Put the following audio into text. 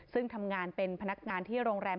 ซึ่งทำงานเป็นพนักงานที่โรงแรม